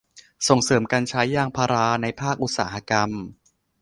ส่งเสริมการใช้ยางพาราในภาคอุตสาหกรรม